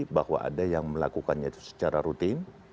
bahwa ada yang melakukannya itu secara rutin